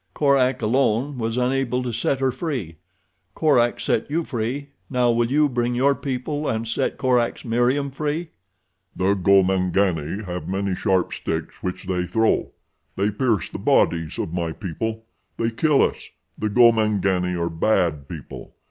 Korak, alone, was unable to set her free. Korak set you free. Now will you bring your people and set Korak's Meriem free?" "The Gomangani have many sharp sticks which they throw. They pierce the bodies of my people. They kill us. The gomangani are bad people.